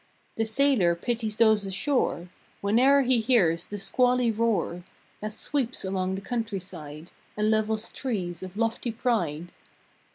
The Sailor pities those ashore Whene er he hears the squally roar That sweeps along the countryside And levels trees of lofty pride.